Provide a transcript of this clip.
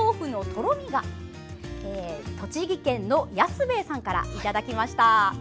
栃木県の安兵衛さんからいただきました。